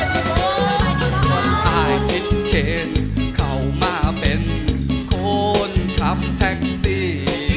ถ้าคิดเข้ามาเป็นคนครับแฟ็กซี่